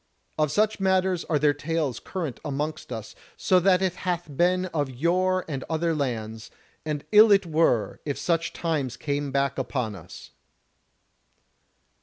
Of such matters are there tales current amongst us that so it hath been of yore and in other lands; and ill it were if such times came back upon us."